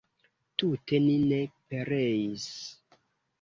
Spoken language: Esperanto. Tute ni ne pereis!